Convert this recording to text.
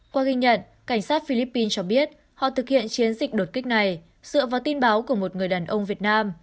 qua ghi nhận cảnh sát philippines cho biết họ thực hiện chiến dịch đột kích này dựa vào tin báo của một người đàn ông việt nam